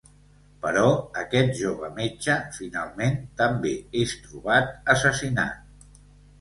Però aquest jove metge finalment també és trobat assassinat.